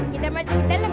kita masuk ke dalam